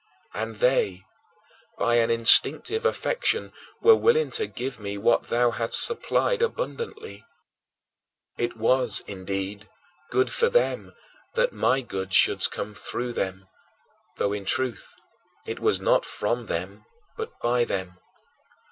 And they, by an instinctive affection, were willing to give me what thou hadst supplied abundantly. It was, indeed, good for them that my good should come through them, though, in truth, it was not from them but by them.